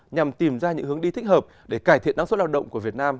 nhằm tìm ra những hướng đi thích hợp để cải thiện năng suất lao động của việt nam